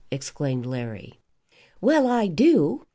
exclaimed Larry. "Well, I do.